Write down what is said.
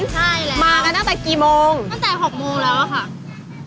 ใช่แล้วมากันตั้งแต่กี่โมงตั้งแต่๖โมงแล้วค่ะ